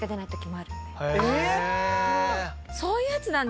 あそういうやつなんだ。